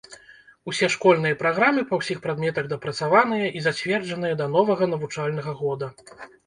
Усе школьныя праграмы па ўсіх прадметах дапрацаваныя і зацверджаныя да новага навучальнага года.